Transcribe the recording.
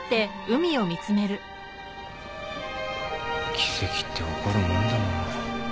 奇跡って起こるもんだな。